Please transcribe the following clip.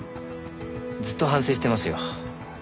ずっと反省してますよ。